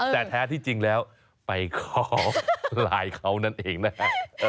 แต่แท้ที่จริงแล้วไปข้อไลน์เขานั่นเองนะฮะ